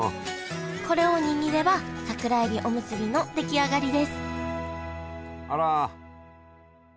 これを握れば桜えびおむすびの出来上がりですあら！